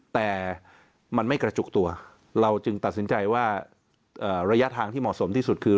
แต่มันไม่กระจุกตัวเราจึงตัดสินใจว่าระยะทางที่เหมาะสมที่สุดคือ